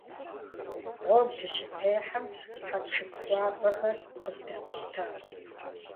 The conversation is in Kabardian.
Гъуэгу дыщытехьэм, хьэпшып хуабэхэр къыздэтщтащ.